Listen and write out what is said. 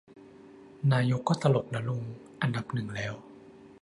นายกก็ตลกนะลุง อันดับหนึ่งแล้ว